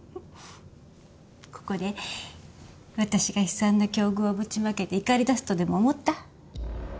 ここで私が悲惨な境遇をぶちまけて怒り出すとでも思った？